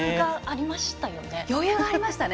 余裕がありましたよね。